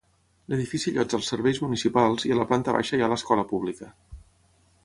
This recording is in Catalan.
L'edifici allotja els serveis municipals i a la planta baixa hi ha l'escola pública.